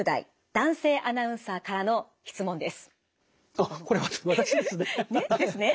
あっこれ私ですね！ですね！